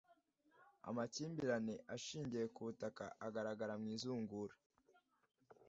Amakimbirane ashingiye ku butaka agaragara mu izungura